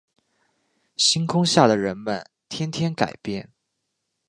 星空下的人们天天改变